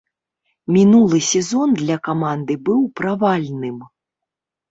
Мінулы сезон для каманды быў правальным.